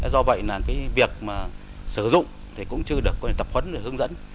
do vậy là cái việc mà sử dụng thì cũng chưa được tập huấn hướng dẫn